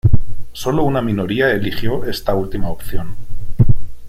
Solo una minoría eligió esta última opción.